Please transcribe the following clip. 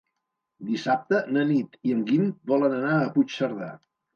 Dissabte na Nit i en Guim volen anar a Puigcerdà.